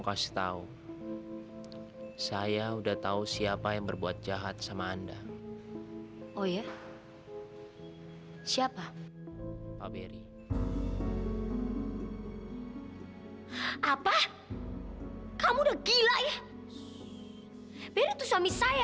ketangan putri saya clio